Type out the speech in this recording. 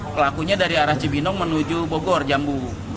pelakunya dari arah cibinong menuju bogor jambu